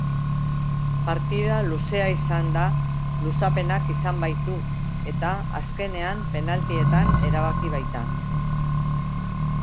Partida luzea izan da luzapenak izan baitu eta azkenean penaltietan erabaki baita.